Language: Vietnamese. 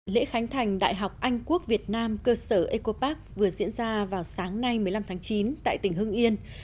lễ khánh thành đại học anh quốc việt nam cơ sở eco park vừa diễn ra vào sáng nay một mươi năm tháng chín tại tỉnh hưng yên